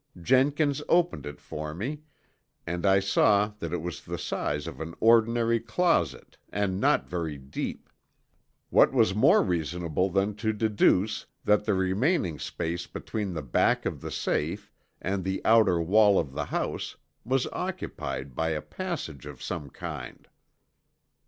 Jenkins opened it for me and I saw that it was the size of an ordinary closet and not very deep. What was more reasonable than to deduce that the remaining space between the back of the safe and the outer wall of the house was occupied by a passage of some kind!"